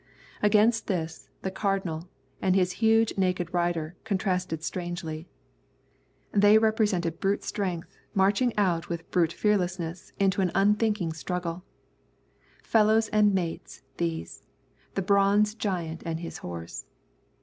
Against this, the Cardinal and his huge naked rider contrasted strangely. They represented brute strength marching out with brute fearlessness into an unthinking struggle. Fellows and mates, these, the bronze giant and his horse.